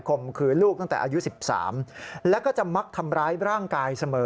มขืนลูกตั้งแต่อายุ๑๓แล้วก็จะมักทำร้ายร่างกายเสมอ